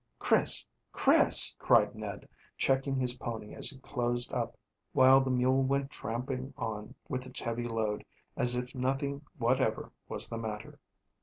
"Chris! Chris!" cried Ned, checking his pony as he closed up, while the mule went tramping on with its heavy load as if nothing whatever was the matter.